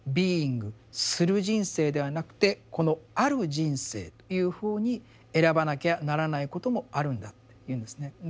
「する」人生ではなくてこの「ある」人生というふうに選ばなきゃならないこともあるんだって言うんですね。